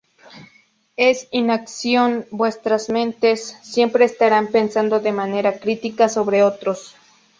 En inacción, vuestras mentes siempre estarán pensando de manera crítica sobre otros.